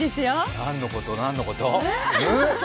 何のこと、何のこと？